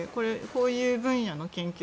こういう分野の研究